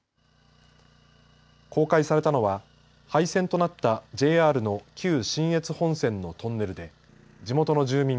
公開されたのは廃線となったＪＲの旧信越本線のトンネルで地元の住民